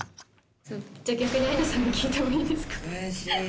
じゃ逆にアイナさん聞いてもいいですか？